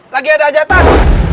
lagi ada hajatan